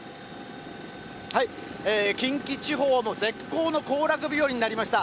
近畿地方の絶好の行楽日和になりました。